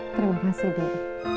terima kasih dedy